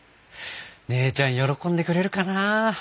姉ちゃん喜んでくれるかな？